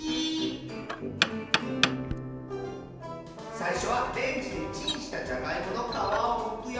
さいしょはレンジでチンしたじゃがいものかわをむくよ。